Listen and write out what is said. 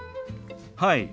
はい。